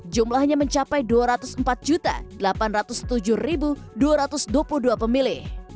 jumlahnya mencapai dua ratus empat delapan ratus tujuh dua ratus dua puluh dua pemilih